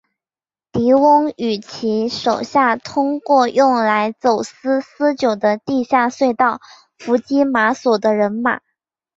狄翁与其手下透过用来走私私酒的地下隧道伏击马索的人马。